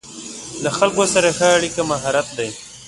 له خلکو سره ښه اړیکې مهارت دی.